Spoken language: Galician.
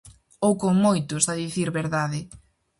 Ou con moitos, a dicir verdade.